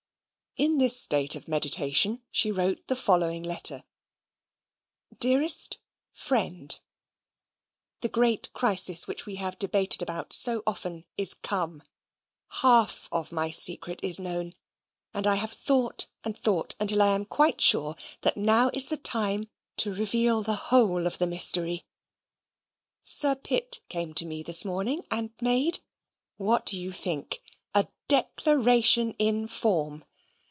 In this state of meditation she wrote the following letter: Dearest Friend, The great crisis which we have debated about so often is COME. Half of my secret is known, and I have thought and thought, until I am quite sure that now is the time to reveal THE WHOLE OF THE MYSTERY. Sir Pitt came to me this morning, and made what do you think? A DECLARATION IN FORM.